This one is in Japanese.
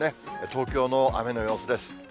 東京の雨の様子です。